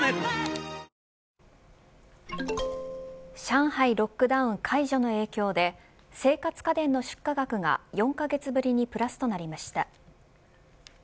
ＪＴ上海ロックダウン解除の影響で生活家電の出荷額が４カ月ぶりにプラスとなりました。